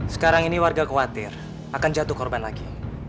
sekarang ini warga khawatir akan jatuh korban lagi